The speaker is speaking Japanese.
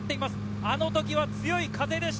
あの時は強い風でした。